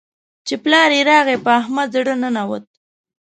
چې پلار يې راغی؛ په احمد زړه ننوت.